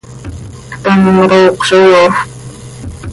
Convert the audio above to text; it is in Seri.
Ctam roocö zo yoofp.